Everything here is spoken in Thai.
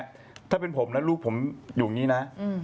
แต่ถ้าเป็นผมลูกผมอยู่อยู่นี้นะ